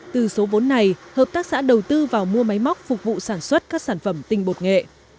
từ số vốn này hợp tác xã đầu tư vào mua máy móc phục vụ sản xuất các sản phẩm tinh bột nghệ